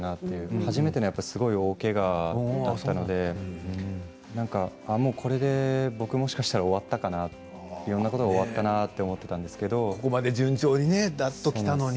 初めての大けがだったのでもうこれで僕もしかしたら終わったかなっていろんなことが終わったなと思っていたんですけどここまで順調にきたのに。